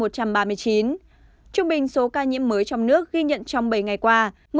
trung bình số ca nhiễm mới trong nước ghi nhận trong bảy ngày qua